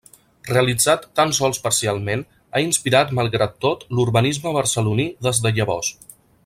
Realitzat tan sols parcialment, ha inspirat malgrat tot l'urbanisme barceloní des de llavors.